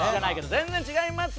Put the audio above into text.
全然違います